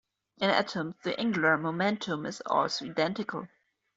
In atoms the angular momentum is also identical.